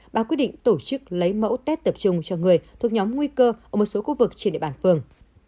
bà quyết định tổ chức lấy mẫu tết tập trung cho người thuộc nhóm nguy cơ ở một số khu vực trên địa bàn phường